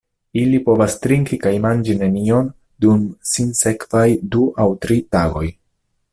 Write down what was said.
Ili povas trinki kaj manĝi nenion dum sinsekvaj du aŭ tri tagoj.